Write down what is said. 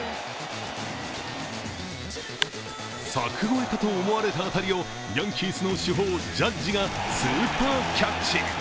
柵越えかと思われた当たりをヤンキースの主砲・ジャッジがスーパーキャッチ。